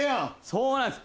そうなんです。